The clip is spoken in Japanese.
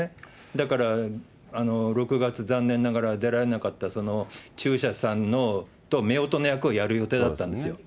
だから、６月、残念ながら出られなかった、その中車さんとめおとの役をやる予定だったんですよ。